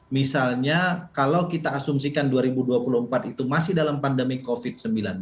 misalnya kalau kita asumsikan dua ribu dua puluh empat itu masih dalam pandemi covid sembilan belas